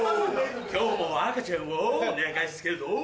今日も赤ちゃんを寝かしつけるぞ。